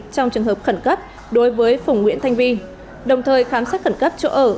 trong trường hợp khẩn cấp đối với phùng nguyễn thanh vi đồng thời khám xét khẩn cấp chỗ ở